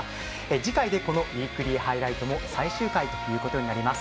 次回でこの「ウイークリーハイライト」も最終回となります。